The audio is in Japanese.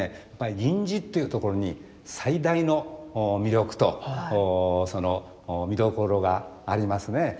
銀地っていうところに最大の魅力と見どころがありますね。